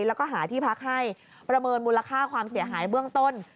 แล้วก็หาที่พักให้ประเมินมูลค่าความเสียหายเบื้องต้น